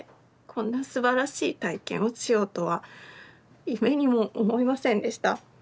こんなすばらしい体験をしようとは夢にも思いませんでした